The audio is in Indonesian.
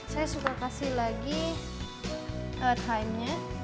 saya suka kasih lagi time nya